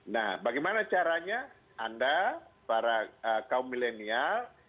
nah bagaimana caranya anda para kaum milenial